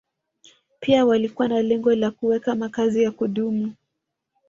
Pia walikuwa na lengo la kuweka makazi ya kudumu